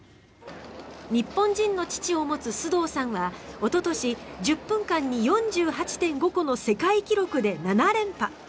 日本人の父を持つ須藤さんはおととし１０分間に４８．５個の世界記録で７連覇。